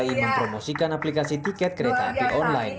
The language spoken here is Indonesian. dki mempromosikan aplikasi tiket kereta api online